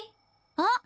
あっ！